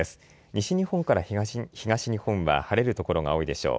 西日本から東日本は晴れる所が多いでしょう。